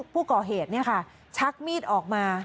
ผู้ก่อเหตุชักมีดออกมา